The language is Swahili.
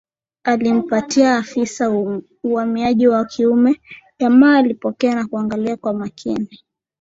Alimpatia afisa uhamiaji wa kiume jamaa alipokea na kuangalia kwa makini